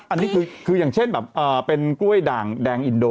อันนี้คืออย่างเช่นแบบเป็นกล้วยด่างแดงอินโด